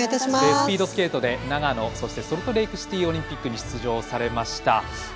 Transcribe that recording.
スピードスケートで長野ソルトレークシティーオリンピックに出場されました。